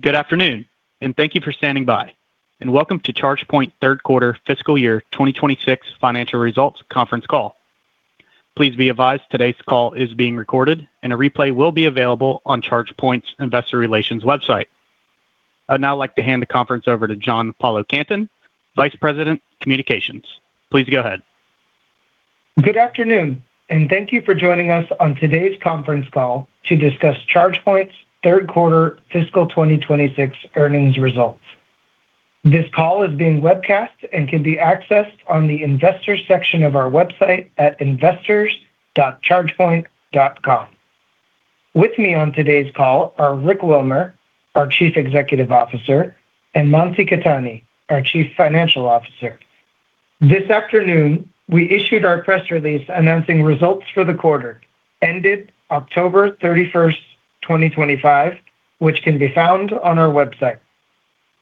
Good afternoon, and thank you for standing by. And welcome to ChargePoint Third Quarter Fiscal Year 2026 Financial Results Conference Call. Please be advised today's call is being recorded, and a replay will be available on ChargePoint's Investor Relations website. I'd now like to hand the conference over to John Paolo Canton, Vice President, Communications. Please go ahead. Good afternoon, and thank you for joining us on today's conference call to discuss ChargePoint's Third Quarter Fiscal 2026 Earnings Results. This call is being webcast and can be accessed on the Investor section of our website at investors.chargepoint.com. With me on today's call are Rick Wilmer, our Chief Executive Officer, and Mansi Khetani, our Chief Financial Officer. This afternoon, we issued our press release announcing results for the quarter, ended October 31st, 2025, which can be found on our website.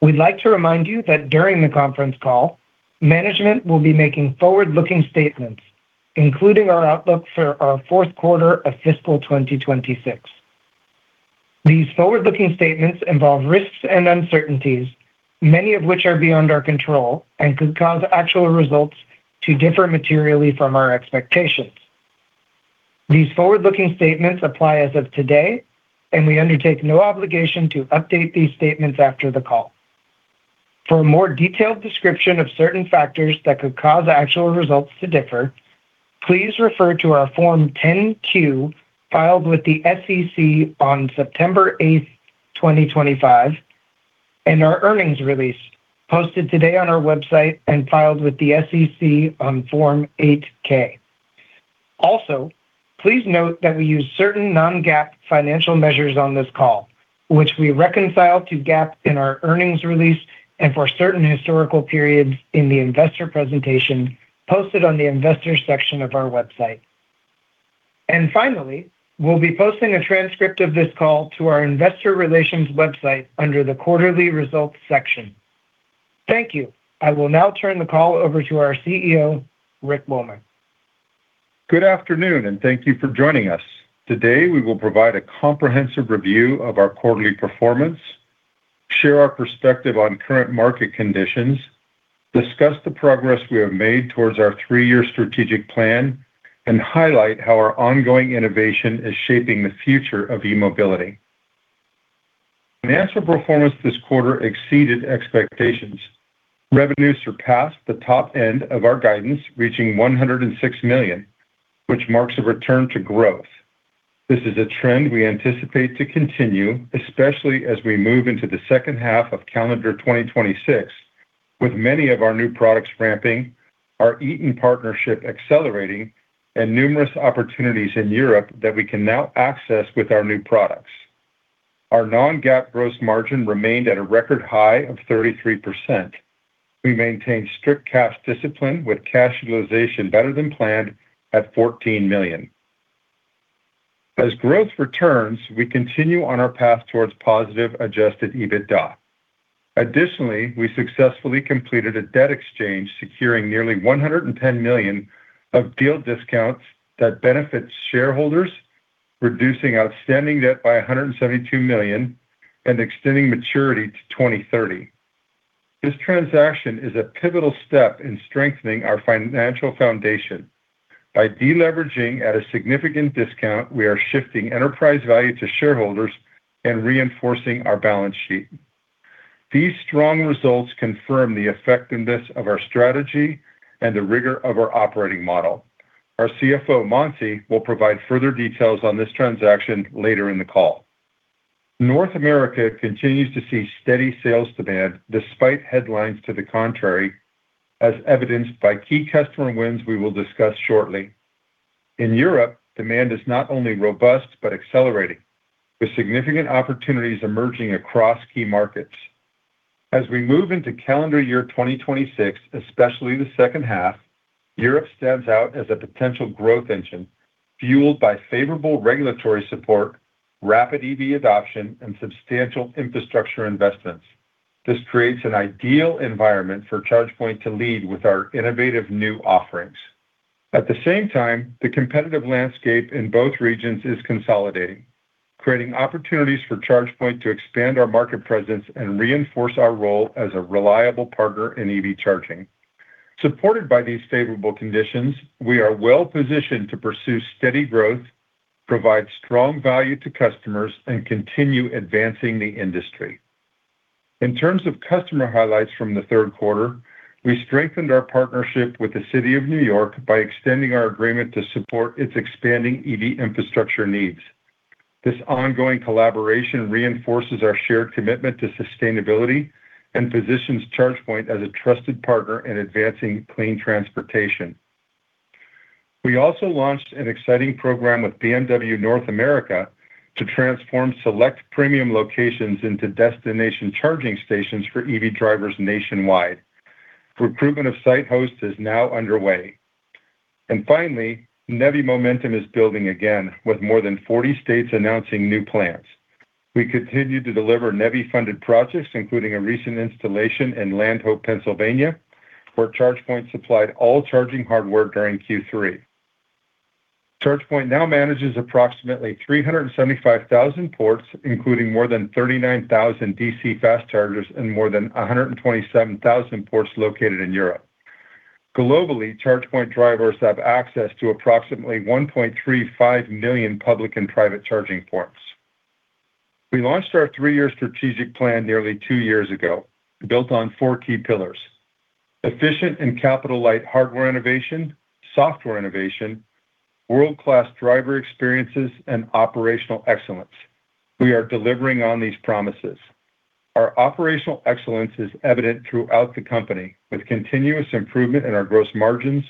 We'd like to remind you that during the conference call, management will be making forward-looking statements, including our outlook for our fourth quarter of Fiscal 2026. These forward-looking statements involve risks and uncertainties, many of which are beyond our control and could cause actual results to differ materially from our expectations. These forward-looking statements apply as of today, and we undertake no obligation to update these statements after the call. For a more detailed description of certain factors that could cause actual results to differ, please refer to our Form 10-Q filed with the SEC on September 8th, 2025, and our earnings release posted today on our website and filed with the SEC on Form 8-K. Also, please note that we use certain non-GAAP financial measures on this call, which we reconcile to GAAP in our earnings release and for certain historical periods in the investor presentation posted on the Investor section of our website, and finally, we'll be posting a transcript of this call to our Investor Relations website under the Quarterly Results section. Thank you. I will now turn the call over to our CEO, Rick Wilmer. Good afternoon, and thank you for joining us. Today, we will provide a comprehensive review of our quarterly performance, share our perspective on current market conditions, discuss the progress we have made towards our three-year strategic plan, and highlight how our ongoing innovation is shaping the future of e-mobility. Financial performance this quarter exceeded expectations. Revenue surpassed the top end of our guidance, reaching $106 million, which marks a return to growth. This is a trend we anticipate to continue, especially as we move into the second half of calendar 2026, with many of our new products ramping, our Eaton partnership accelerating, and numerous opportunities in Europe that we can now access with our new products. Our non-GAAP gross margin remained at a record high of 33%. We maintain strict cash discipline with cash utilization better than planned at $14 million. As growth returns, we continue on our path towards positive adjusted EBITDA. Additionally, we successfully completed a debt exchange securing nearly $110 million of deal discounts that benefits shareholders, reducing outstanding debt by $172 million and extending maturity to 2030. This transaction is a pivotal step in strengthening our financial foundation. By deleveraging at a significant discount, we are shifting enterprise value to shareholders and reinforcing our balance sheet. These strong results confirm the effectiveness of our strategy and the rigor of our operating model. Our CFO, Mansi, will provide further details on this transaction later in the call. North America continues to see steady sales demand despite headlines to the contrary, as evidenced by key customer wins we will discuss shortly. In Europe, demand is not only robust but accelerating, with significant opportunities emerging across key markets. As we move into calendar year 2026, especially the second half, Europe stands out as a potential growth engine fueled by favorable regulatory support, rapid EV adoption, and substantial infrastructure investments. This creates an ideal environment for ChargePoint to lead with our innovative new offerings. At the same time, the competitive landscape in both regions is consolidating, creating opportunities for ChargePoint to expand our market presence and reinforce our role as a reliable partner in EV charging. Supported by these favorable conditions, we are well-positioned to pursue steady growth, provide strong value to customers, and continue advancing the industry. In terms of customer highlights from the third quarter, we strengthened our partnership with the City of New York by extending our agreement to support its expanding EV infrastructure needs. This ongoing collaboration reinforces our shared commitment to sustainability and positions ChargePoint as a trusted partner in advancing clean transportation. We also launched an exciting program with BMW North America to transform select premium locations into destination charging stations for EV drivers nationwide. Recruitment of site hosts is now underway, and finally, NEVI momentum is building again, with more than 40 states announcing new plans. We continue to deliver NEVI-funded projects, including a recent installation in Landhope, Pennsylvania, where ChargePoint supplied all charging hardware during Q3. ChargePoint now manages approximately 375,000 ports, including more than 39,000 DC fast chargers and more than 127,000 ports located in Europe. Globally, ChargePoint drivers have access to approximately 1.35 million public and private charging ports. We launched our three-year strategic plan nearly two years ago, built on four key pillars: efficient and capital-light hardware innovation, software innovation, world-class driver experiences, and operational excellence. We are delivering on these promises. Our operational excellence is evident throughout the company, with continuous improvement in our gross margins,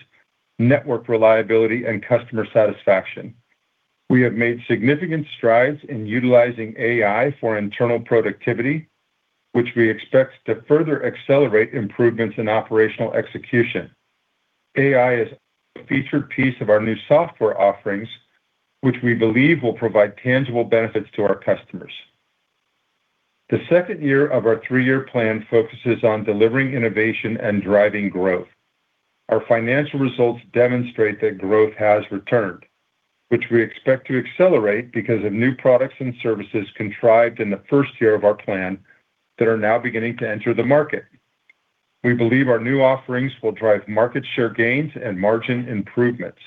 network reliability, and customer satisfaction. We have made significant strides in utilizing AI for internal productivity, which we expect to further accelerate improvements in operational execution. AI is a featured piece of our new software offerings, which we believe will provide tangible benefits to our customers. The second year of our three-year plan focuses on delivering innovation and driving growth. Our financial results demonstrate that growth has returned, which we expect to accelerate because of new products and services created in the first year of our plan that are now beginning to enter the market. We believe our new offerings will drive market share gains and margin improvements.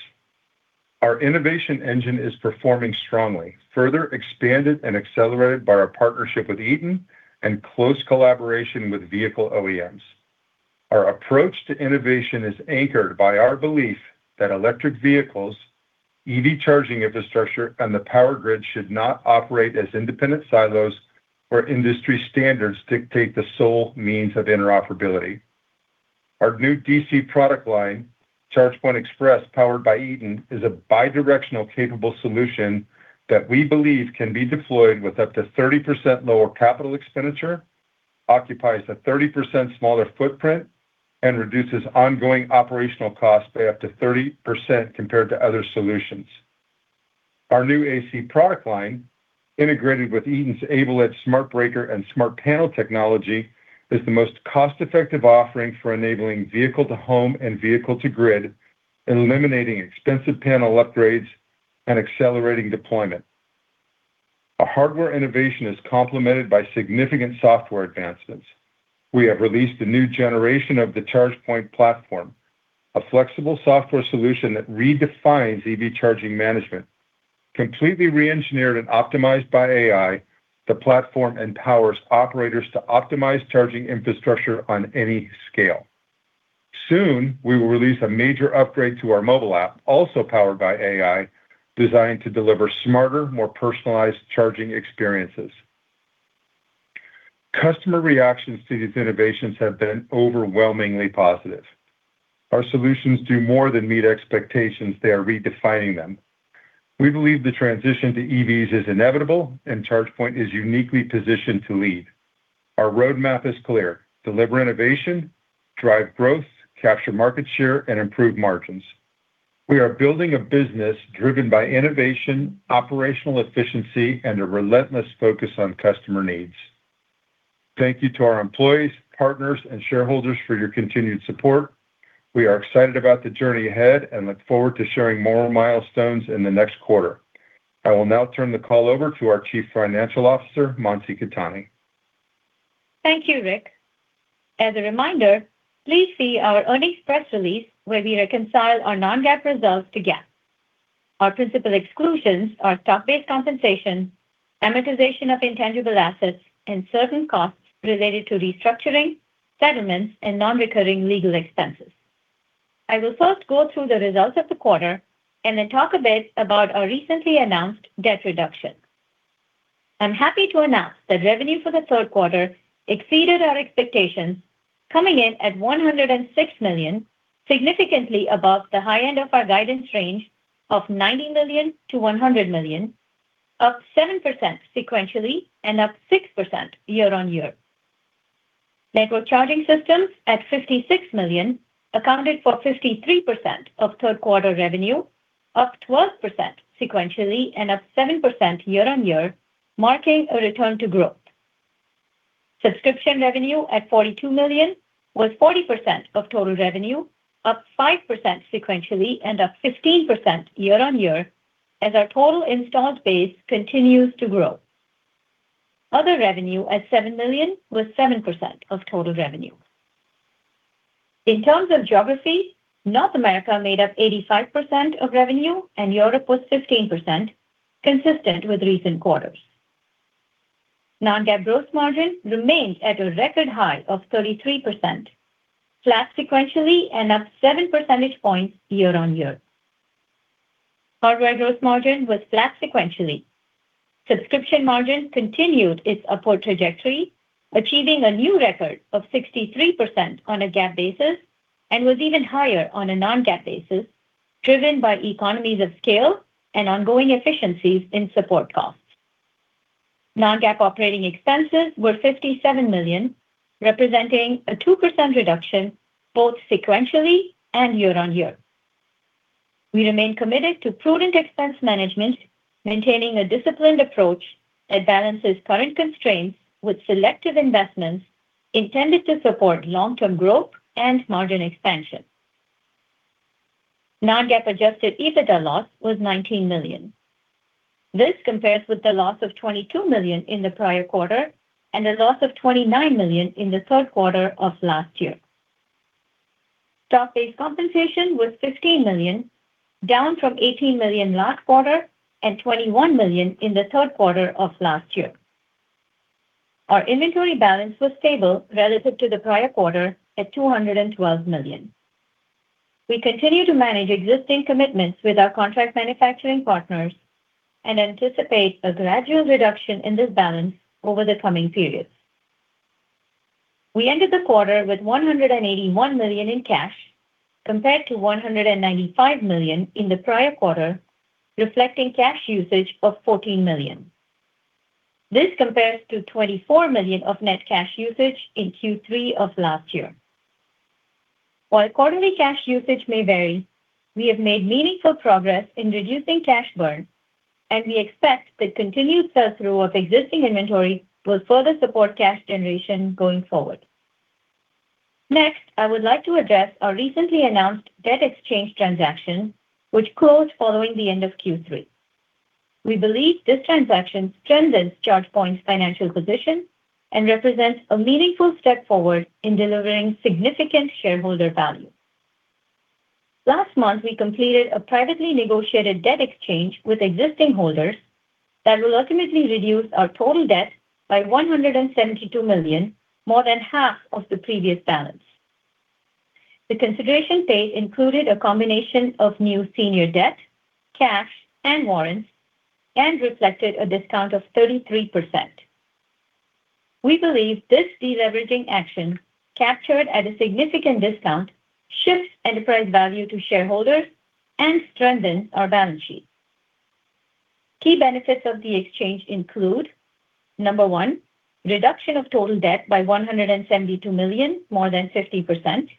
Our innovation engine is performing strongly, further expanded and accelerated by our partnership with Eaton and close collaboration with vehicle OEMs. Our approach to innovation is anchored by our belief that electric vehicles, EV charging infrastructure, and the power grid should not operate as independent silos where industry standards dictate the sole means of interoperability. Our new DC product line, ChargePoint Express, powered by Eaton, is a bidirectional capable solution that we believe can be deployed with up to 30% lower capital expenditure, occupies a 30% smaller footprint, and reduces ongoing operational costs by up to 30% compared to other solutions. Our new AC product line, integrated with Eaton's AbleEdge smart breaker and smart panel technology, is the most cost-effective offering for enabling vehicle-to-home and vehicle-to-grid, eliminating expensive panel upgrades and accelerating deployment. Our hardware innovation is complemented by significant software advancements. We have released a new generation of the ChargePoint platform, a flexible software solution that redefines EV charging management. Completely re-engineered and optimized by AI, the platform empowers operators to optimize charging infrastructure on any scale. Soon, we will release a major upgrade to our mobile app, also powered by AI, designed to deliver smarter, more personalized charging experiences. Customer reactions to these innovations have been overwhelmingly positive. Our solutions do more than meet expectations. They are redefining them. We believe the transition to EVs is inevitable, and ChargePoint is uniquely positioned to lead. Our roadmap is clear: deliver innovation, drive growth, capture market share, and improve margins. We are building a business driven by innovation, operational efficiency, and a relentless focus on customer needs. Thank you to our employees, partners, and shareholders for your continued support. We are excited about the journey ahead and look forward to sharing more milestones in the next quarter. I will now turn the call over to our Chief Financial Officer, Mansi Khetani. Thank you, Rick. As a reminder, please see our earnings press release where we reconcile our non-GAAP results to GAAP. Our principal exclusions are stock-based compensation, amortization of intangible assets, and certain costs related to restructuring, settlements, and non-recurring legal expenses. I will first go through the results of the quarter and then talk a bit about our recently announced debt reduction. I'm happy to announce that revenue for the third quarter exceeded our expectations, coming in at $106 million, significantly above the high end of our guidance range of $90 million-$100 million, up 7% sequentially and up 6% year-on-year. Network charging systems at $56 million accounted for 53% of third-quarter revenue, up 12% sequentially and up 7% year-on-year, marking a return to growth. Subscription revenue at $42 million was 40% of total revenue, up 5% sequentially and up 15% year-on-year as our total installed base continues to grow. Other revenue at $7 million was 7% of total revenue. In terms of geography, North America made up 85% of revenue, and Europe was 15%, consistent with recent quarters. Non-GAAP gross margin remained at a record high of 33%, flat sequentially and up seven percentage points year-on-year. Hardware gross margin was flat sequentially. Subscription margin continued its upward trajectory, achieving a new record of 63% on a GAAP basis and was even higher on a non-GAAP basis, driven by economies of scale and ongoing efficiencies in support costs. Non-GAAP operating expenses were $57 million, representing a 2% reduction both sequentially and year-on-year. We remain committed to prudent expense management, maintaining a disciplined approach that balances current constraints with selective investments intended to support long-term growth and margin expansion. Non-GAAP adjusted EBITDA loss was $19 million. This compares with the loss of $22 million in the prior quarter and the loss of $29 million in the third quarter of last year. Stock-based compensation was $15 million, down from $18 million last quarter and $21 million in the third quarter of last year. Our inventory balance was stable relative to the prior quarter at $212 million. We continue to manage existing commitments with our contract manufacturing partners and anticipate a gradual reduction in this balance over the coming periods. We ended the quarter with $181 million in cash, compared to $195 million in the prior quarter, reflecting cash usage of $14 million. This compares to $24 million of net cash usage in Q3 of last year. While quarterly cash usage may vary, we have made meaningful progress in reducing cash burn, and we expect that continued sell-through of existing inventory will further support cash generation going forward. Next, I would like to address our recently announced debt exchange transaction, which closed following the end of Q3. We believe this transaction strengthens ChargePoint's financial position and represents a meaningful step forward in delivering significant shareholder value. Last month, we completed a privately negotiated debt exchange with existing holders that will ultimately reduce our total debt by $172 million, more than half of the previous balance. The consideration paid included a combination of new senior debt, cash, and warrants, and reflected a discount of 33%. We believe this deleveraging action, captured at a significant discount, shifts enterprise value to shareholders and strengthens our balance sheet. Key benefits of the exchange include: number one, reduction of total debt by $172 million, more than 50%;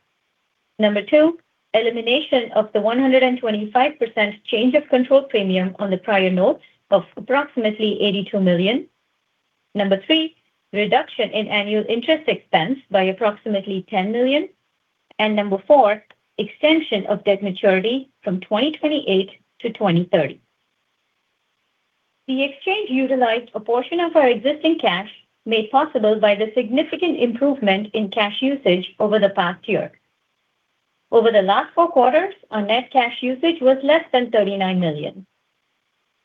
number two, elimination of the 125% change of control premium on the prior notes of approximately $82 million; number three, reduction in annual interest expense by approximately $10 million; and number four, extension of debt maturity from 2028 to 2030. The exchange utilized a portion of our existing cash made possible by the significant improvement in cash usage over the past year. Over the last four quarters, our net cash usage was less than $39 million.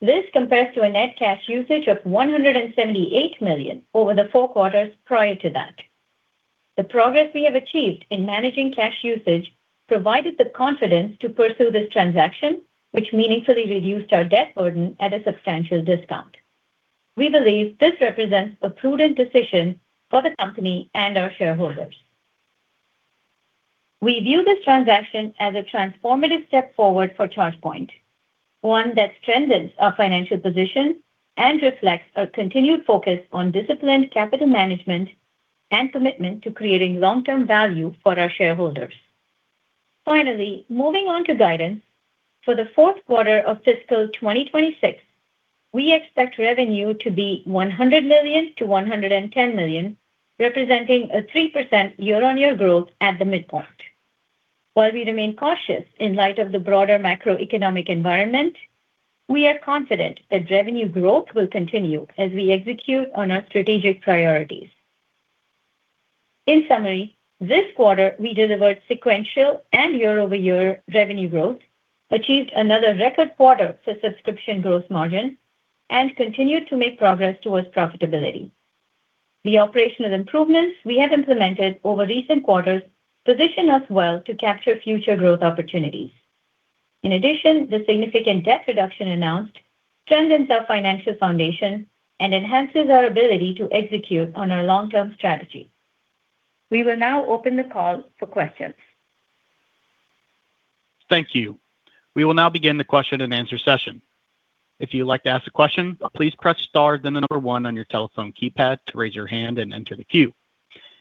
This compares to a net cash usage of $178 million over the four quarters prior to that. The progress we have achieved in managing cash usage provided the confidence to pursue this transaction, which meaningfully reduced our debt burden at a substantial discount. We believe this represents a prudent decision for the company and our shareholders. We view this transaction as a transformative step forward for ChargePoint, one that strengthens our financial position and reflects our continued focus on disciplined capital management and commitment to creating long-term value for our shareholders. Finally, moving on to guidance, for the fourth quarter of fiscal 2026, we expect revenue to be $100 million-$110 million, representing a 3% year-on-year growth at the midpoint. While we remain cautious in light of the broader macroeconomic environment, we are confident that revenue growth will continue as we execute on our strategic priorities. In summary, this quarter, we delivered sequential and year-over-year revenue growth, achieved another record quarter for subscription gross margin, and continued to make progress towards profitability. The operational improvements we have implemented over recent quarters position us well to capture future growth opportunities. In addition, the significant debt reduction announced strengthens our financial foundation and enhances our ability to execute on our long-term strategy. We will now open the call for questions. Thank you. We will now begin the question and answer session. If you'd like to ask a question, please press star then the number one on your telephone keypad to raise your hand and enter the queue.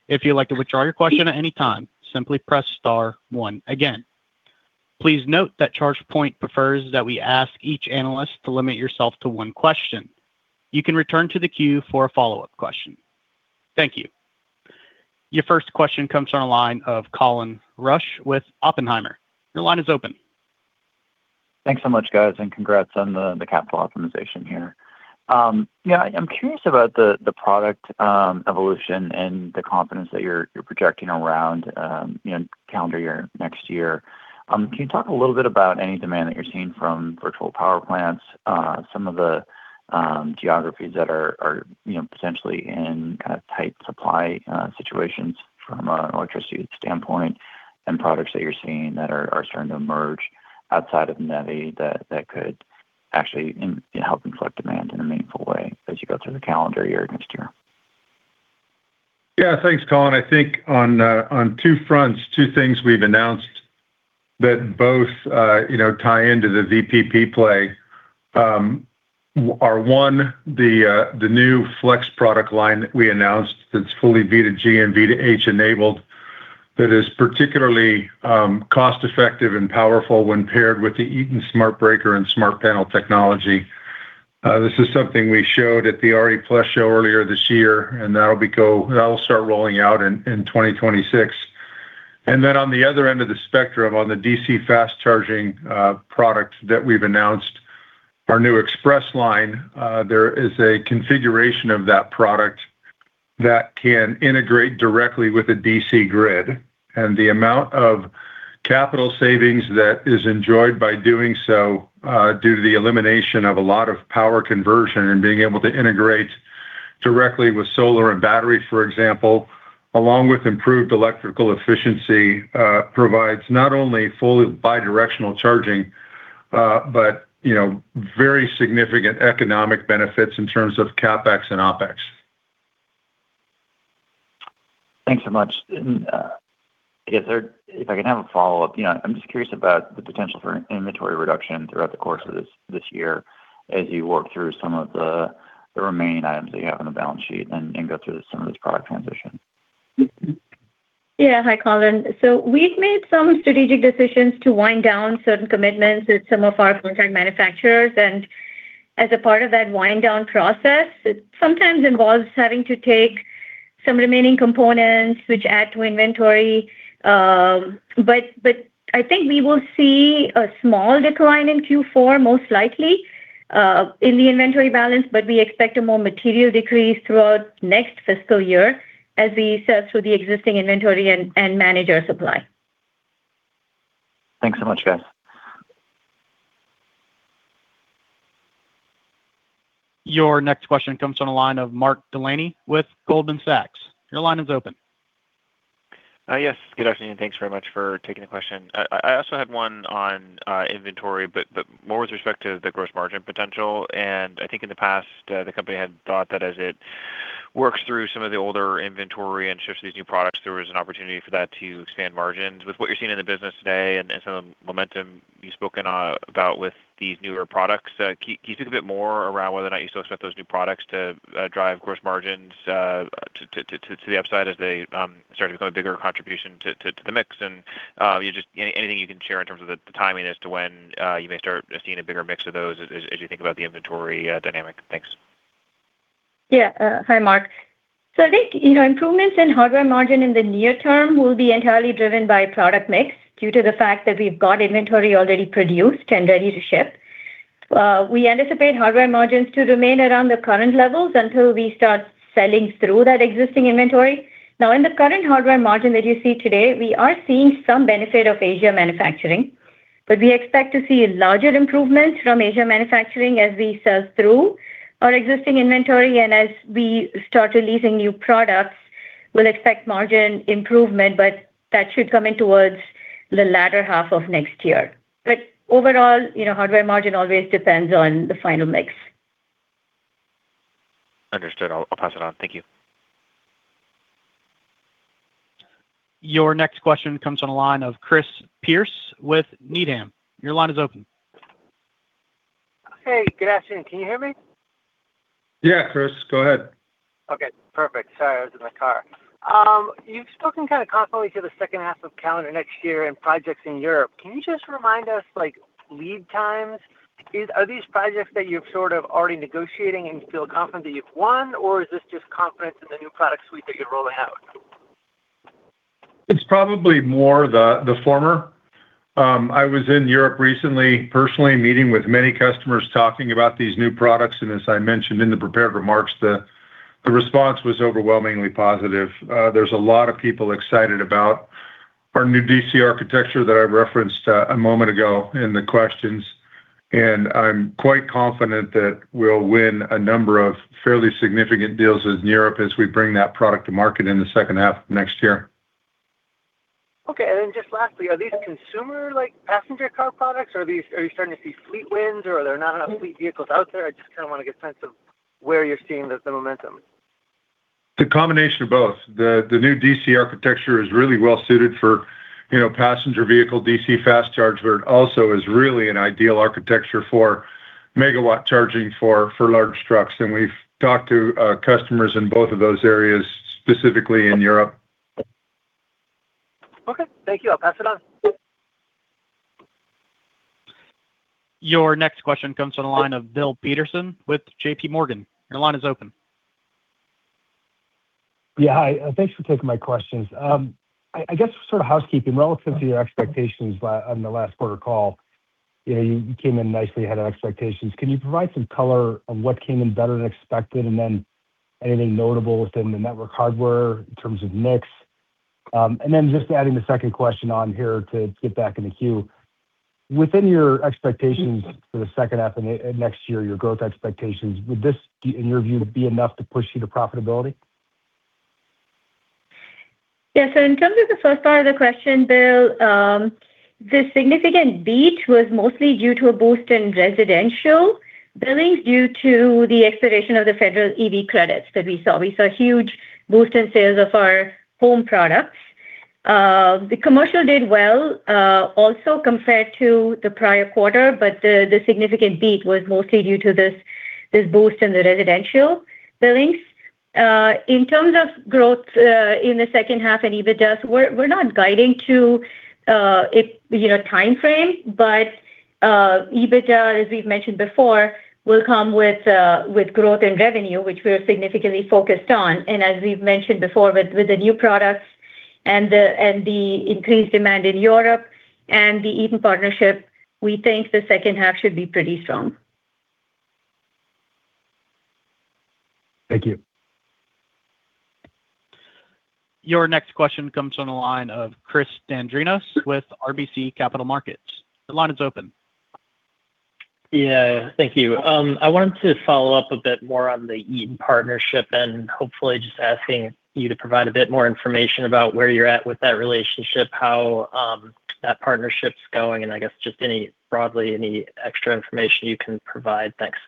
If you'd like to withdraw your question at any time, simply press star one again. Please note that ChargePoint prefers that we ask each analyst to limit yourself to one question. You can return to the queue for a follow-up question. Thank you. Your first question comes from a line of Colin Rusch with Oppenheimer. Your line is open. Thanks so much, guys, and congrats on the capital optimization here. Yeah, I'm curious about the product evolution and the confidence that you're projecting around calendar year next year. Can you talk a little bit about any demand that you're seeing from virtual power plants, some of the geographies that are potentially in kind of tight supply situations from an electricity standpoint, and products that you're seeing that are starting to emerge outside of NEVI that could actually help inflect demand in a meaningful way as you go through the calendar year next year? Yeah, thanks, Colin. I think on two fronts, two things we've announced that both tie into the VPP play. One, the new Flex product line that we announced that's fully V2G and V2H-enabled, that is particularly cost-effective and powerful when paired with the Eaton smart breaker and smart panel technology. This is something we showed at the RE+ show earlier this year, and that'll start rolling out in 2026. And then on the other end of the spectrum, on the DC fast charging product that we've announced, our new Express line, there is a configuration of that product that can integrate directly with a DC grid. The amount of capital savings that is enjoyed by doing so due to the elimination of a lot of power conversion and being able to integrate directly with solar and battery, for example, along with improved electrical efficiency, provides not only fully bidirectional charging, but very significant economic benefits in terms of CapEx and OpEx. Thanks so much. If I can have a follow-up, I'm just curious about the potential for inventory reduction throughout the course of this year as you work through some of the remaining items that you have on the balance sheet and go through some of this product transition. Yeah, hi, Colin. So we've made some strategic decisions to wind down certain commitments with some of our contract manufacturers. And as a part of that wind-down process, it sometimes involves having to take some remaining components, which add to inventory. But I think we will see a small decline in Q4, most likely, in the inventory balance, but we expect a more material decrease throughout next fiscal year as we sell through the existing inventory and manage our supply. Thanks so much, guys. Your next question comes from a line of Mark Delaney with Goldman Sachs. Your line is open. Yes, good afternoon. Thanks very much for taking the question. I also had one on inventory, but more with respect to the gross margin potential. I think in the past, the company had thought that as it works through some of the older inventory and shifts to these new products, there was an opportunity for that to expand margins. With what you're seeing in the business today and some of the momentum you've spoken about with these newer products, can you speak a bit more around whether or not you still expect those new products to drive gross margins to the upside as they start to become a bigger contribution to the mix? Just anything you can share in terms of the timing as to when you may start seeing a bigger mix of those as you think about the inventory dynamic. Thanks. Yeah, hi, Mark. So I think improvements in hardware margin in the near term will be entirely driven by product mix due to the fact that we've got inventory already produced and ready to ship. We anticipate hardware margins to remain around the current levels until we start selling through that existing inventory. Now, in the current hardware margin that you see today, we are seeing some benefit of Asia manufacturing, but we expect to see larger improvements from Asia manufacturing as we sell through our existing inventory. And as we start releasing new products, we'll expect margin improvement, but that should come in towards the latter half of next year. But overall, hardware margin always depends on the final mix. Understood. I'll pass it on. Thank you. Your next question comes from a line of Chris Pierce with Needham. Your line is open. Hey, good afternoon. Can you hear me? Yeah, Chris, go ahead. Okay, perfect. Sorry, I was in the car. You've spoken kind of confidently to the second half of calendar next year and projects in Europe. Can you just remind us lead times? Are these projects that you've sort of already negotiating and feel confident that you've won, or is this just confidence in the new product suite that you're rolling out? It's probably more the former. I was in Europe recently, personally meeting with many customers, talking about these new products. And as I mentioned in the prepared remarks, the response was overwhelmingly positive. There's a lot of people excited about our new DC architecture that I referenced a moment ago in the questions. And I'm quite confident that we'll win a number of fairly significant deals in Europe as we bring that product to market in the second half of next year. Okay. And then just lastly, are these consumer passenger car products? Are you starting to see fleet wins, or are there not enough fleet vehicles out there? I just kind of want to get a sense of where you're seeing the momentum. The combination of both. The new DC architecture is really well suited for passenger vehicle DC fast charge, but it also is really an ideal architecture for megawatt charging for large trucks, and we've talked to customers in both of those areas, specifically in Europe. Okay. Thank you. I'll pass it on. Your next question comes from a line of Bill Peterson with JPMorgan. Your line is open. Yeah, hi. Thanks for taking my questions. I guess sort of housekeeping relative to your expectations on the last quarter call, you came in nicely, had expectations. Can you provide some color on what came in better than expected? And then anything notable within the network hardware in terms of mix? And then just adding the second question on here to get back in the queue. Within your expectations for the second half of next year, your growth expectations, would this, in your view, be enough to push you to profitability? Yeah, so in terms of the first part of the question, Bill, the significant beat was mostly due to a boost in residential billing due to the expiration of the federal EV credits that we saw. We saw a huge boost in sales of our home products. The commercial did well also compared to the prior quarter, but the significant beat was mostly due to this boost in the residential billings. In terms of growth in the second half and EBITDA, we're not guiding to a timeframe, but EBITDA, as we've mentioned before, will come with growth in revenue, which we're significantly focused on, and as we've mentioned before, with the new products and the increased demand in Europe and the Eaton partnership, we think the second half should be pretty strong. Thank you. Your next question comes from a line of Chris Dendrinos with RBC Capital Markets. The line is open. Yeah, thank you. I wanted to follow up a bit more on the Eaton partnership and hopefully just asking you to provide a bit more information about where you're at with that relationship, how that partnership's going, and I guess just broadly, any extra information you can provide. Thanks.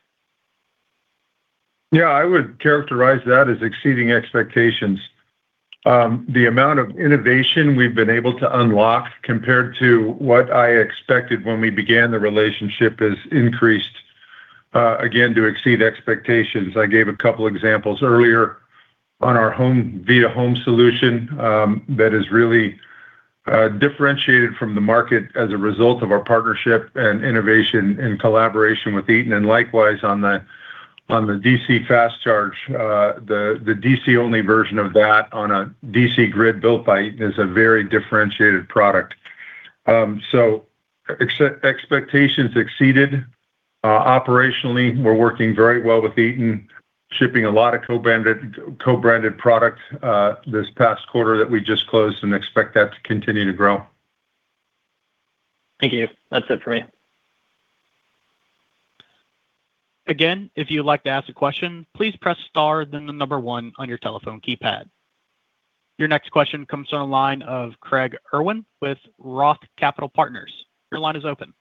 Yeah, I would characterize that as exceeding expectations. The amount of innovation we've been able to unlock compared to what I expected when we began the relationship has increased again to exceed expectations. I gave a couple of examples earlier on our V2H home solution that is really differentiated from the market as a result of our partnership and innovation and collaboration with Eaton. And likewise, on the DC fast charge, the DC-only version of that on a DC grid built by Eaton is a very differentiated product. Expectations exceeded. Operationally, we're working very well with Eaton, shipping a lot of co-branded product this past quarter that we just closed and expect that to continue to grow. Thank you. That's it for me. Again, if you'd like to ask a question, please press star then the number one on your telephone keypad. Your next question comes from a line of Craig Irwin with Roth Capital Partners. Your line is open.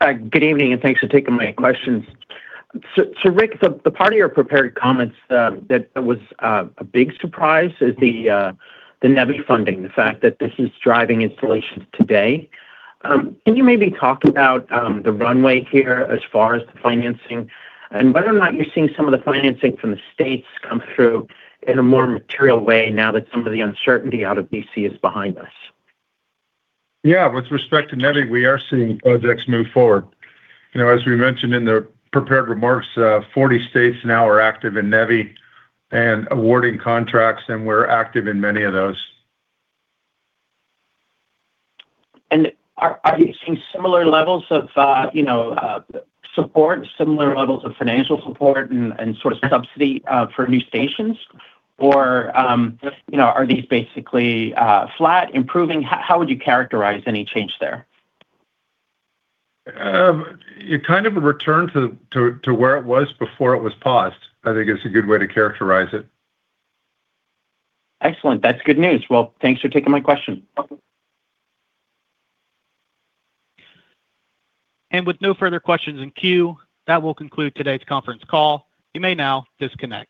Good evening and thanks for taking my questions. So Rick, the part of your prepared comments that was a big surprise is the NEVI funding, the fact that this is driving installations today. Can you maybe talk about the runway here as far as the financing and whether or not you're seeing some of the financing from the states come through in a more material way now that some of the uncertainty out of DC is behind us? Yeah, with respect to NEVI, we are seeing projects move forward. As we mentioned in the prepared remarks, 40 states now are active in NEVI and awarding contracts, and we're active in many of those. Are you seeing similar levels of support, similar levels of financial support and sort of subsidy for new stations, or are these basically flat, improving? How would you characterize any change there? It kind of returned to where it was before it was paused. I think it's a good way to characterize it. Excellent. That's good news. Well, thanks for taking my question. With no further questions in queue, that will conclude today's conference call. You may now disconnect.